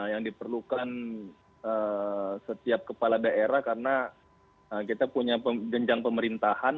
yang diperlukan setiap kepala daerah karena kita punya jenjang pemerintahan